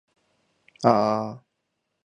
Crossing the threshold, visitors enter the foyer.